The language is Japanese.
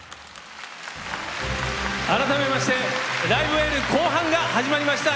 改めまして「ライブ・エール」後半が始まりました。